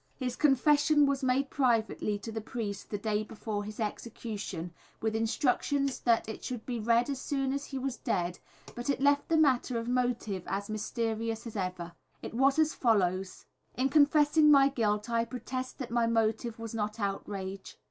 His confession was made privately, to the priest, the day before his execution, with instructions that it should be read as soon as he was dead, but it left the matter of motive as mysterious as ever. It was as follows: "In confessing my guilt I protest that my motive was not outrage.